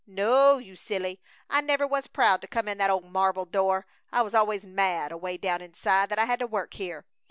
No, you silly! I never was proud to come in that old marble door! I was always mad, away down inside, that I had to work here.